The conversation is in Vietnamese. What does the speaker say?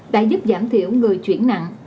đã giúp giảm thiểu người chuyển nặng